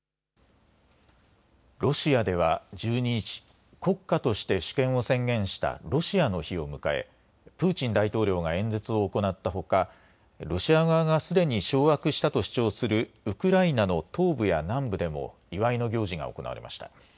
ロシアでは１２日、国家として主権を宣言したロシアの日を迎えプーチン大統領が演説を行ったほかロシア側がすでに掌握したと主張するウクライナの東部や南部でも祝いの行事が行われました。